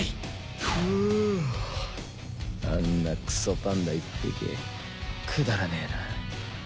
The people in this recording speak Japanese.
フワッあんなクソパンダ１匹くだらねえな。